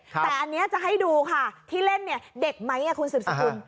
ครับแต่อันเนี้ยจะให้ดูค่ะที่เล่นเนี้ยเด็กไหมอ่ะคุณสุดสกุล